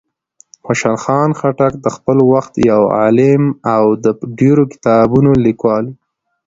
خوشحال خان خټک د خپل وخت یو عالم او د ډېرو کتابونو لیکوال و.